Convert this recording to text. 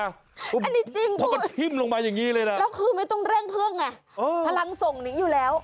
อันนี้จริงพูดแล้วคือไม่ต้องเร่งเครื่องไงพลังส่งนี้อยู่แล้ว